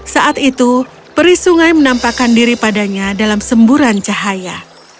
saat itu peri sungai menampakkan diri padanya dalam semburan cahaya